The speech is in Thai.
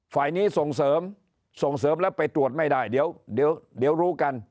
ฝ่ายนี้ส่งเสริมส่งเสริมแล้วไปตรวจไม่ได้เดี๋ยวรู้กัน